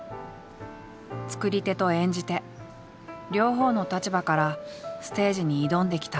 作り手と演じ手両方の立場からステージに挑んできた。